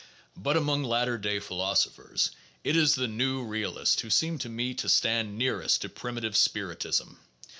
But among latter day philosophers it is the new realists who seem to me to stand nearest to primitive spiritism.